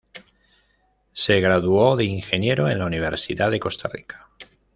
Se graduó de ingeniero en la Universidad de Costa Rica.